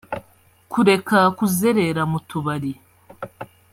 kureka kuzerera mu tubari